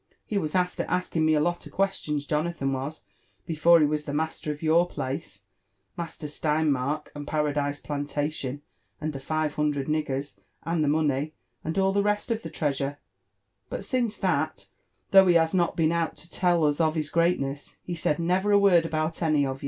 lie was after asking me a lot of questions, Jonathan was, before he was the master of your place, Master Steinmark, and Paradise Plantation, and the five hundred nig gers, and the money, and all the rest of the treasure : but since that, though he has boenoutto tell us of his greatness, he said never a word about any of ye."